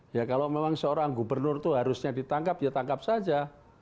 ya kalau memang seorang gubernur itu harusnya ditangkap ya tangkap saja